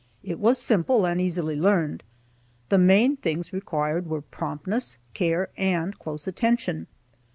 It was simple, and easily learned. The main things required were promptness, care, and close attention.